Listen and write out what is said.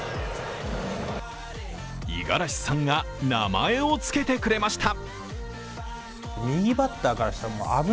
五十嵐さんが名前をつけてくれました。